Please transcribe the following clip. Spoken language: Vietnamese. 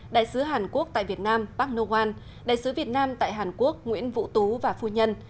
đại sứ hàn quốc tại việt nam park noh oan đại sứ việt nam tại hàn quốc nguyễn vũ tú và phu nhân